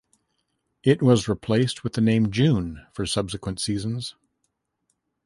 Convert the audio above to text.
It was replaced with the name "June" for subsequent seasons.